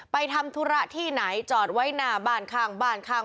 ทำธุระที่ไหนจอดไว้หน้าบ้านข้างบ้านข้าง